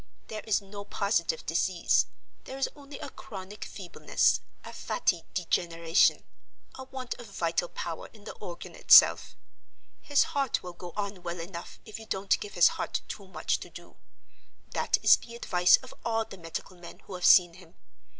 There is no positive disease; there is only a chronic feebleness—a fatty degeneration—a want of vital power in the organ itself. His heart will go on well enough if you don't give his heart too much to do—that is the advice of all the medical men who have seen him.